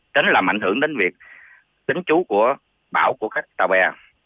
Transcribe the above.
tránh làm ảnh hưởng đến việc tránh trú của bão của các tàu bè